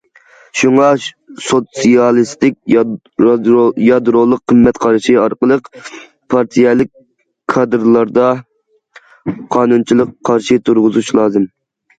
شۇڭا سوتسىيالىستىك يادرولۇق قىممەت قارىشى ئارقىلىق، پارتىيەلىك كادىرلاردا قانۇنچىلىق قارىشى تۇرغۇزۇش لازىم.